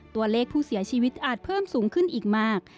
ตัวเลขผู้เสียชีวิตอาจเพิ่มสูงขึ้นอีกมาก